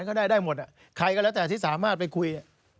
ใครก็แล้วแต่ที่สามารถไปคุย